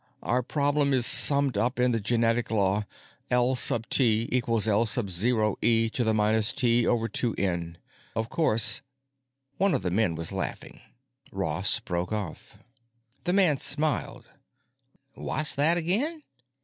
Our problem is summed up in the genetic law L sub T equals L sub zero e to the minus T over two N. Of course——" One of the men was laughing. Ross broke off. The man smiled: "Wha's that again?"